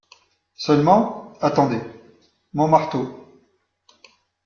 Seulement, attendez… mon marteau !